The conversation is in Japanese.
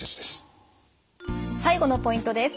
最後のポイントです。